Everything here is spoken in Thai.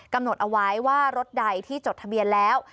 กำหนดเอาไว้ว่ารถใดที่จดทะเบียนแล้ว